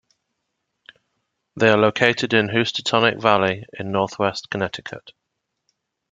They are located in the Housatonic Valley in northwestern Connecticut.